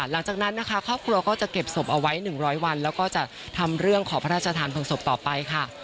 หลังจากนั้นนะคะครอบครัวก็จะเก็บศพเอาไว้๑๐๐วันแล้วก็จะทำเรื่องขอพระราชทานเพลิงศพต่อไปค่ะ